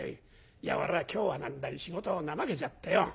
いや俺は今日は何だい仕事をなまけちゃってよ。